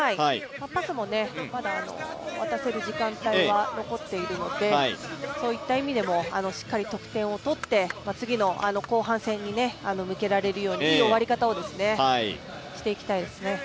パスもまだ渡せる時間帯は残っているので、そういった意味でもしっかり得点を取って、次の後半戦に向けられるようにいい終わり方をしていきたいですね。